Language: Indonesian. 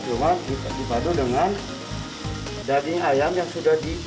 cuma dipadu dengan daging ayam yang sudah di